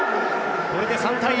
これで３対１。